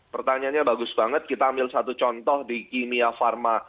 pertanyaannya bagus banget kita ambil satu contoh di kimia pharma